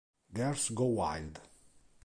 Girls Go Wild